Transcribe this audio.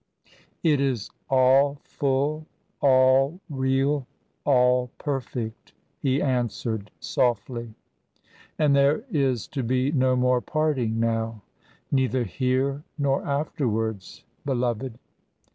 "It is all full, all real, all perfect," he answered, softly. "And there is to be no more parting, now " "Neither here, nor afterwards, beloved."